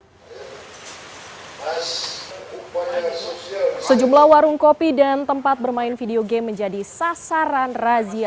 hai mas upaya sosial sejumlah warung kopi dan tempat bermain video game menjadi sasaran razia